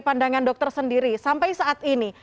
kalau dari pandangan dokter sendiri sampai saat ini